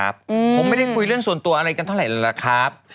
ผมไม่ได้คุยเรื่องส่วนตัวอะไรกันเท่าไหร่ล่ะครับ